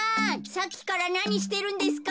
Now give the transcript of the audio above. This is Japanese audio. さっきからなにしてるんですか？